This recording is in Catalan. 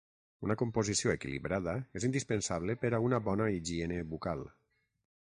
Una composició equilibrada és indispensable per a una bona higiene bucal.